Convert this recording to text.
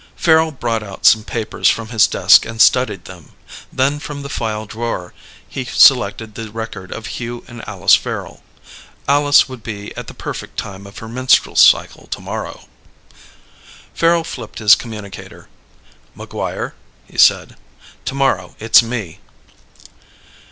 Farrel brought out some papers from his desk and studied them. Then, from the file drawer, he selected the record of Hugh and Alice Farrel. Alice would be at the perfect time of her menstrual cycle tomorrow.... Farrel flipped his communicator. "MacGuire," he said. "Tomorrow it's me."